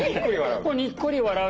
にっこり笑う？